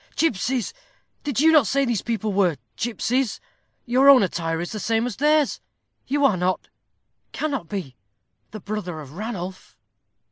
"Gipsies! did you not say these people were gipsies? Your own attire is the same as theirs. You are not, cannot be, the brother of Ranulph."